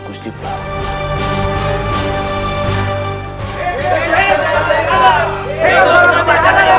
ketika mereka berada di sana